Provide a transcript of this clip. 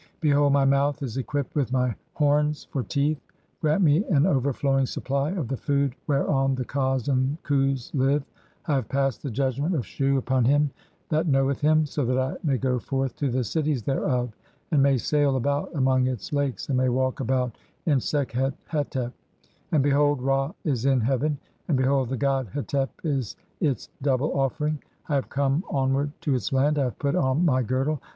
Behold, my mouth is equipped with my horns "[for teeth], grant me an overflowing supply of the food where "on the kas and khus (26) [live]. I have passed the judgment "of Shu upon him that knoweth him, so that I may go forth "to the cities thereof, and may sail about among its lakes and "may walk about in Sekhet hetep ; (27) and behold, Ra is in "heaven, and behold, the god Hetep is its double offering. I "have come onward to its land, I have put on my girdle